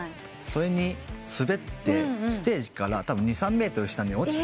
それに滑ってステージからたぶん２３ｍ下に落ちて。